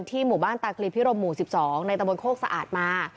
หมู่บ้านตาคลีพิรมหมู่๑๒ในตะบนโคกสะอาดมา